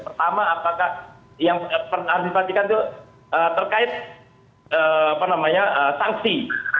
pertama apakah yang harus dipastikan itu terkait apa namanya sanksi